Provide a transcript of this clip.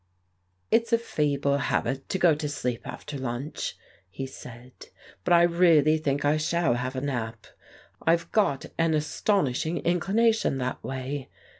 "It's a feeble habit to go to sleep after lunch," he said, "but I really think I shall have a nap. I've got an astonishing inclination that way.